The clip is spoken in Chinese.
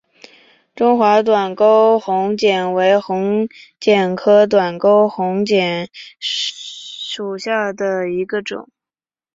中华短沟红萤为红萤科短沟红萤属下的一个种。